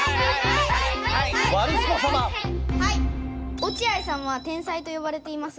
落合さんは天才とよばれていますが。